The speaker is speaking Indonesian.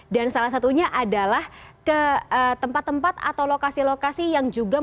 dan salah satunya adalah ke tempat tempat atau lokasi lokasi yang juga menyebabkan